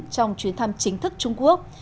trong chuyến thăm chính thức trung quốc